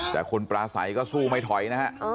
แต่คุณปราศัยก็สู้ไม่ถอยนะฮะ